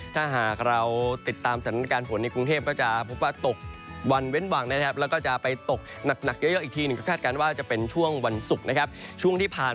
ถ้าหากเราติดตามสถานการณ์ฝนในกรุงเทพก็จะพบว่าตกวันเว้นหวังนะครับแล้วก็จะไปตกหนักเยอะอีกที